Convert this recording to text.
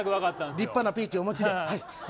立派なピーチをお持ちで。